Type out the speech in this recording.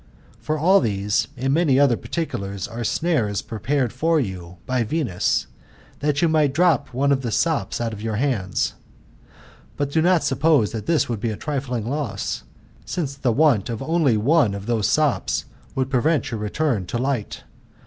For all these, and many other particulars, are sriaries prepared for you by Venus, that you mz.f drop one of the sops out of your hands. But do not suppose that this would, be a trifling loss ; since the want of only one of these sops, would prevent your return to light.